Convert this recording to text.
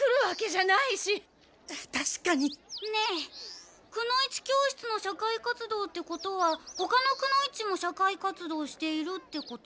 ねえくの一教室の社会活動ってことはほかのくの一も社会活動をしているってこと？